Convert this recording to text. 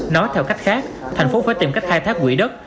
nói theo cách khác thành phố phải tìm cách khai thác quỹ đất